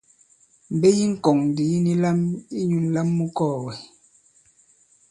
Mbe yi ŋkɔ̀ŋ ndì yi ni lam inyū ǹlam mu kɔɔ̀gɛ̀.